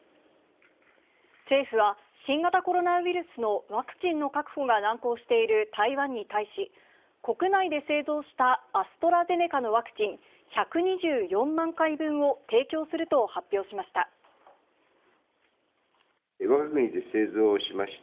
政府は、新型コロナウイルスのワクチンの確保が難航している台湾に対し、国内で製造したアストラゼネカのワクチン１２４万回分を提供すると発表しました。